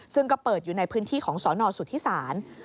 ซึ่งก็เปิดอยู่ในพื้นที่ของสนสุธิศาล